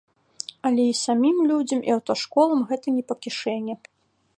Але і самім людзям, і аўташколам гэта не па кішэні.